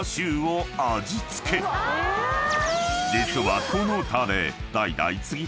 ［実はこのタレ］